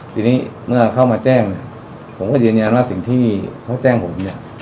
ทีนี้เมื่อเขามาแจ้งเนี่ยผมก็ยืนยันว่าสิ่งที่เขาแจ้งผมเนี่ย